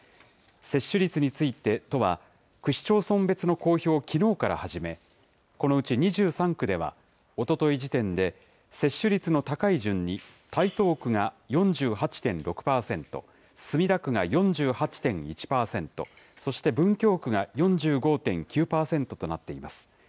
接種率について、都は、区市町村別の公表をきのうから始め、このうち２３区ではおととい時点で、接種率の高い順に台東区が４８．６％、墨田区が４８．１％、そして文京区が４５．９％となっています。